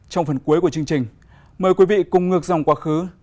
trong phần cuối của chương trình mời quý vị cùng ngược dòng quá khứ